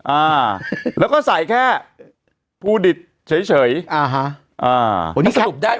อ่าแล้วก็ใส่แค่ภูดิตเฉยเฉยอ่าฮะอ่าวันนี้สรุปได้